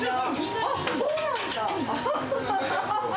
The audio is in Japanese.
あっ、そうなんだ。